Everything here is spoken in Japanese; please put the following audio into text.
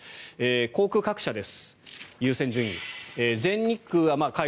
航空各社です。